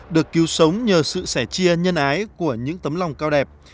được cứu sống nhờ sự sẻ chia nhân ái của những tấm lòng cao đẹp